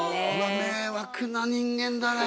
迷惑な人間だね